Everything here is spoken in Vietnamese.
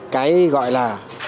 cái gọi là